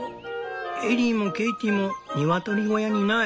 エリーもケイティもニワトリ小屋にいない。